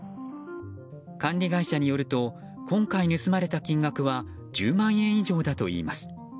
管理会社によると今回盗まれた金額は１０万円以上だといいます。